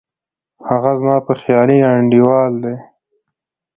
هغه زما یو خیالي انډیوال دی